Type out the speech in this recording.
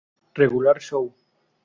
Regular Show